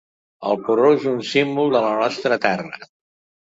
El porró és un símbol de la nostra terra.